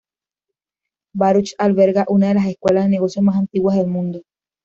Baruch alberga una de las escuelas de negocios más antiguas del mundo.